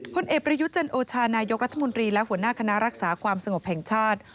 พลเอกประยุทธ์จันโอชานายกรัฐมนตรีและหัวหน้าคณะรักษาความสงบแห่งชาติ